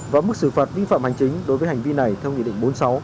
và mức xử phạt vi phạm hành chính đối với hành vi này theo nghị định bốn mươi sáu